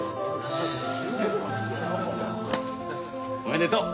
おめでとう。